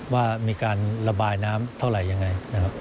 ว่ามีการระบายน้ำเท่าไรยังไง